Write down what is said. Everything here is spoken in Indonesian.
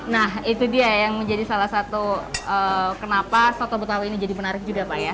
nah itu dia yang menjadi salah satu kenapa soto betawi ini jadi menarik juga pak ya